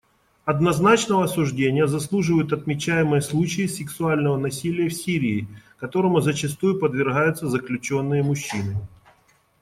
Однозначного осуждения заслуживают отмечаемые случаи сексуального насилия в Сирии, которому зачастую подвергаются заключенные-мужчины.